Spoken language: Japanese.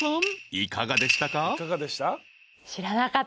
いかがでしたか？］